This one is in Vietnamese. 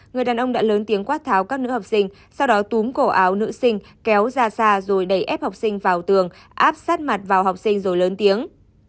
người đàn ông đã lớn tiếng quát tháo các nữ học sinh sau đó túm cổ áo nữ sinh kéo ra xa rồi đẩy ép học sinh vào tường áp sát mặt vào học sinh rồi lớn tiếng